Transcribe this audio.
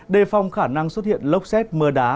đề phòng khả năng xuất hiện lốc xét mưa đá